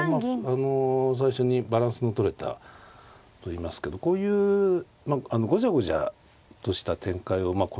あの最初にバランスのとれたといいますけどこういうごじゃごじゃとした展開を好むので。